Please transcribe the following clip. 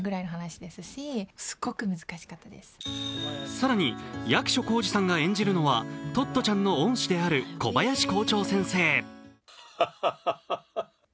更に、役所広司さんが演じるのはトットちゃんの恩師である小林校長先生。